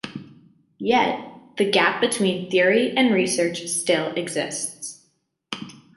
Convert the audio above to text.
Yet, the gap between theory and research still exists.